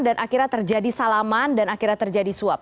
dan akhirnya terjadi salaman dan akhirnya terjadi suap